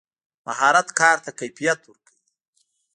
مهارت کار ته کیفیت ورکوي.